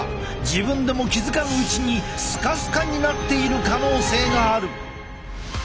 自分でも気付かぬうちにスカスカになっている可能性がある。